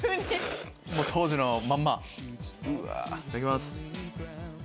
当時のまんま？いただきます。